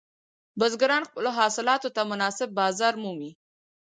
بزګران خپلو حاصلاتو ته مناسب بازار مومي.